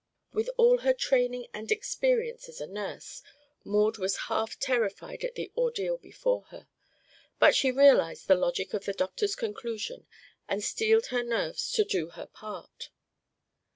With all her training and experience as a nurse, Maud was half terrified at the ordeal before her. But she realized the logic of the doctor's conclusion and steeled her nerves to do her part.